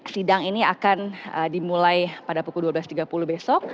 sidang ini akan dimulai pada pukul dua belas tiga puluh besok